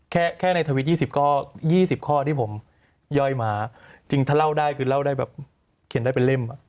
แค่แค่ในทวิต๒๐ข้อ๒๐ข้อที่ผมย่อยมาจริงถ้าเล่าได้คือเล่าได้แบบเขียนได้เป็นเล่ม